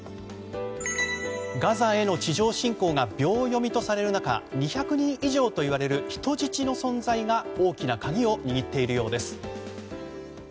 ガザへの地上侵攻が秒読みとされる中２００人以上といわれる人質の存在が大きな鍵を握っているようです。